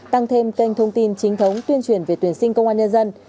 tăng thêm kênh thông tin chính thống tuyên truyền về tuyển sinh công an nhân dân